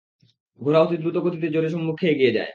ঘোড়া অতি দ্রুত গতিতে জোরে সম্মুখে এগিয়ে যায়।